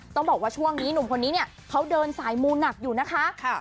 ต้องบอกว่าช่วงนี้หนุ่มคนนี้เนี่ยเขาเดินสายมูหนักอยู่นะคะ